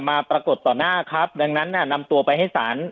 ปรากฏต่อหน้าครับดังนั้นน่ะนำตัวไปให้ศาล